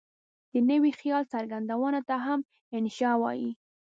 د نوي خیال څرګندولو ته هم انشأ وايي.